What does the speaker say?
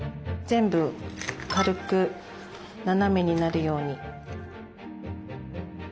全部軽く斜めになるように。